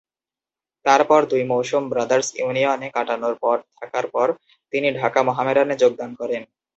তারপর দুই মৌসুম ব্রাদার্স ইউনিয়নে কাটানোর পর থাকার পর তিনি ঢাকা মোহামেডানে যোগদান করেন।